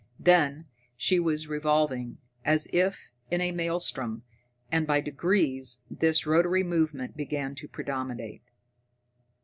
Then she was revolving, as if in a maelstrom, and by degrees this rotary movement began to predominate.